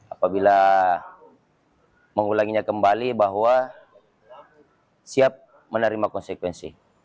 apabila mengulanginya kembali bahwa siap menerima konsekuensi